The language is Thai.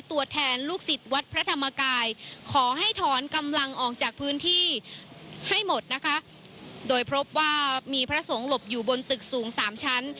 ตัวแทนลูกศิษย์วัดพระธรรมกายขอให้ถอนกำลังออกจากพื้นที่ให้หมดนะคะโดยพบว่ามีพระสงฆ์หลบอยู่บนตึกสูงสามชั้น